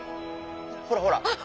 ほらほら！